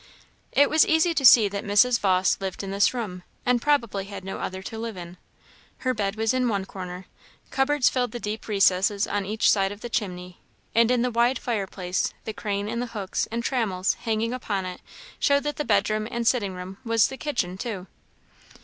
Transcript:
It was easy to see that Mrs. Vawse lived in this room, and probably had no other to live in. Her bed was in one corner; cupboards filled the deep recesses on each side of the chimney; and in the wide fireplace, the crane and the hooks and trammels hanging upon it showed that the bedroom and sitting room was the kitchen too.